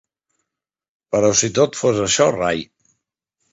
Però si tot fos això rai.